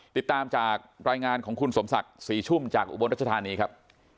ติดตามจากรายงานของคุณสมศักดิ์ศรีชุ่มจากอุบลรัชธานีครับ